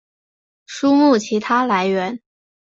书目其它来源